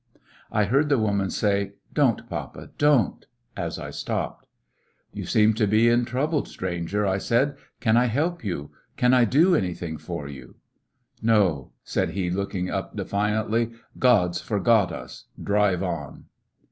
I heard the woman say, "Don't, papa, don't," as I stopped. "You seem to be in trouble, stranger," I said. "Can I help yout Can I do anything for yout" 60 ]j/lissionarY in tge Great West "No,'' said he, looking up defiantly ; "God 's forgot us. Drive on."